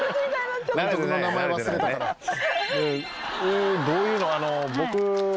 えどういうの僕